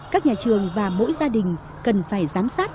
các nhà trường và mỗi gia đình cần phải giám sát